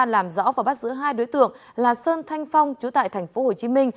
làm rõ và bắt giữ hai đối tượng là sơn thanh phong chú tại tp hcm